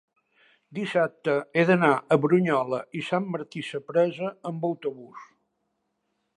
dissabte he d'anar a Brunyola i Sant Martí Sapresa amb autobús.